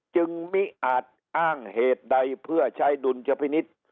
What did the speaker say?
จึงมิอาจอ้างเหตุใดเพื่อใช้ดุลชพินิษฐ์